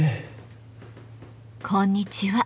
こんにちは。